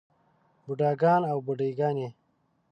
بوډاګان او بوډے ګانے